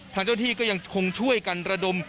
ทางเจ้าที่ก็ยังคงช่วยกันระดม